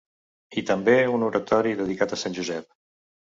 I també un oratori dedicat a Sant Josep.